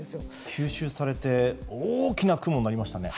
吸収されて大きな雲になりましたね。